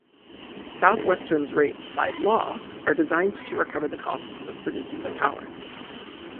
Southwestern's rates, by law, are designed to recover the costs of producing the power.